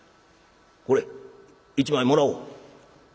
「ほれ一枚もらおう」。